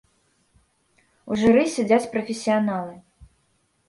У журы сядзяць прафесіяналы.